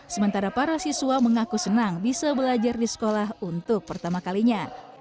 sementara para siswa mengaku senang bisa belajar di sekolah untuk pertama kalinya